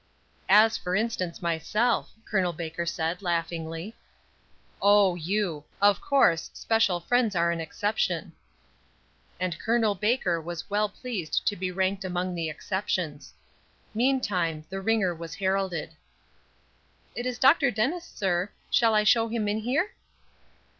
"As, for instance, myself," Col. Baker said, laughingly. "Oh, you. Of course, special friends are an exception." And Col. Baker was well pleased to be ranked among the exceptions. Meantime the ringer was heralded. "It is Dr. Dennis, sir. Shall I show him in here?"